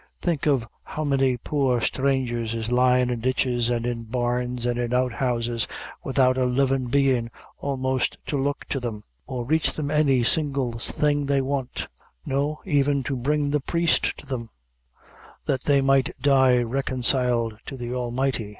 Think of how many poor sthrangers is lyin' in ditches an' in barns, an' in outhouses, without a livin' bein' a'most to look to them, or reach them any single thing they want; no, even to bring the priest to them, that they might die reconciled to the Almighty.